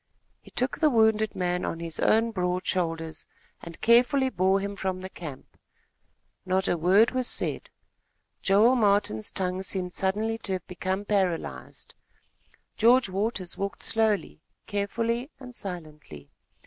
He took the wounded man on his own broad shoulders, and carefully bore him from the camp. Not a word was said. Joel Martin's tongue seemed suddenly to have become paralyzed. George Waters walked slowly, carefully, and silently.